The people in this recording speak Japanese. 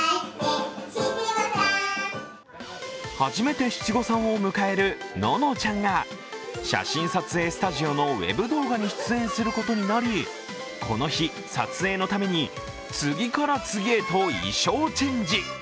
初めて七五三を迎えるののちゃんが、写真撮影スタジオのウェブ動画に出演することになりこの日、撮影のために次から次へと衣装チェンジ。